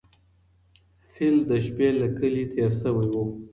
فیل د شپې له کلي تېر سوی و.